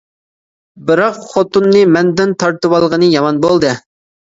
بىراق خوتۇننى مەندىن تارتىۋالغىنى يامان بولدى.